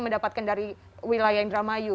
mendapatkan dari wilayah indramayu